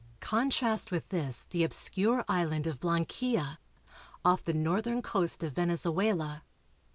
Contrast with this the obscure island of Blanquilla, off the northern coast of Venezuela.